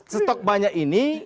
stok banyak ini